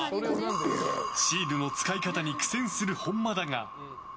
シールの使い方に苦戦する本間だが。